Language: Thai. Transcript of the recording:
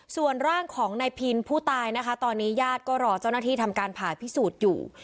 ส่วนร่างของนายพินผู้ตายนะคะตอนนี้ญาติก็รอเจ้าหน้าที่ทำการผ่าพิสูจน์อยู่